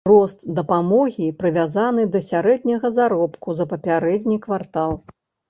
Рост дапамогі прывязаны да сярэдняга заробку за папярэдні квартал.